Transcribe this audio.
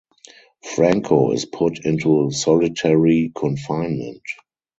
Franco is put into solitary confinement.